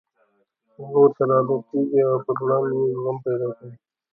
هغه ورسره عادت کېږي او پر وړاندې يې زغم پيدا کوي.